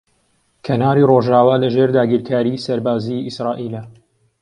کەناری ڕۆژاوا لەژێر داگیرکاریی سەربازیی ئیسرائیلە.